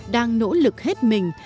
đang nỗ lực hết mình